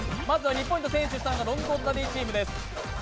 ２ポイント先制したのがロングコートダディチームです。